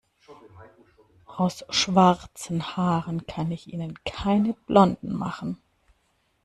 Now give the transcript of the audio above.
Aus schwarzen Haaren kann ich Ihnen keine blonden machen.